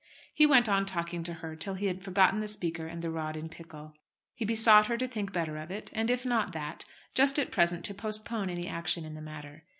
He went on talking to her till he had forgotten the Speaker and the rod in pickle. He besought her to think better of it; and if not that, just at present to postpone any action in the matter.